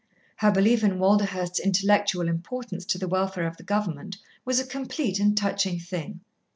Her belief in Walderhurst's intellectual importance to the welfare of the government was a complete and touching thing.